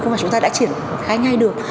không phải chúng ta đã triển khai ngay được